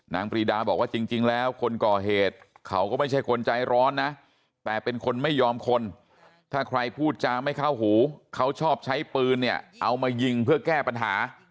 ปรีดาบอกว่าจริงแล้วคนก่อเหตุเขาก็ไม่ใช่คนใจร้อนนะแต่เป็นคนไม่ยอมคนถ้าใครพูดจาไม่เข้าหูเขาชอบใช้ปืนเนี่ยเอามายิงเพื่อแก้ปัญหา